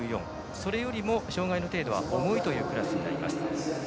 それよりも障がいの程度は重いというクラスになります。